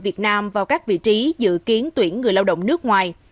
việt nam vào các vị trí dự kiến tuyển người lao động nước ngoài